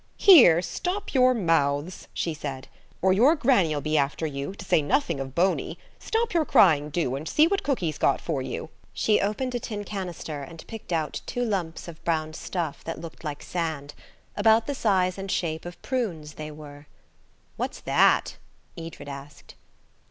"Here, stop your mouths," she said, "or your granny'll be after you–to say nothing of Boney. Stop your crying, do, and see what cookie's got for you." She opened a tin canister and picked out two lumps of brown stuff that looked like sand–about the size and shape of prunes they were. "What's that?" Edred asked.